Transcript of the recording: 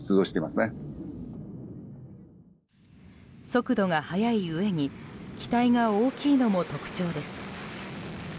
速度が速いうえに機体が大きいのも特徴です。